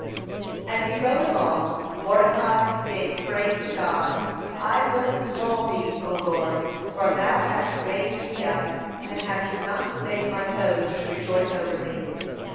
(171) As he rode along, Mordecai gave praise to God: "I will extol Thee, O Lord; for Thou hast raised me up, and hast not made my foes to rejoice over me.